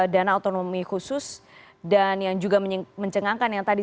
dana otonomi khusus dan yang juga mencengangkan yang tadi